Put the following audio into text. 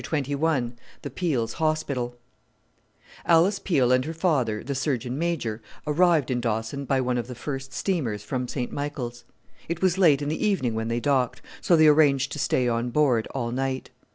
CHAPTER XXI THE PEELS' HOSPITAL Alice Peel and her father, the Surgeon Major, arrived in Dawson by one of the first steamers from St. Michael's. It was late in the evening when they docked, so they arranged to stay on board all night.